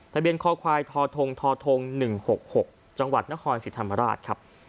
ทะเบียนคอควายทอทงทท๑๖๖จังหวัดนครศรีธรรมราชครับ